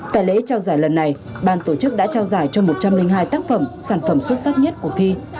tại lễ trao giải lần này ban tổ chức đã trao giải cho một trăm linh hai tác phẩm sản phẩm xuất sắc nhất cuộc thi